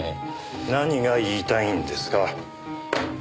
何が言いたいんですか。